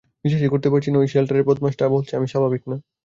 বিশ্বাসই করতে পারছি না ওই শেল্টারের বদমাশটা বলেছে আমি স্বাভাবিক না।